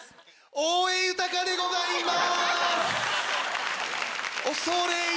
・大江裕でございます。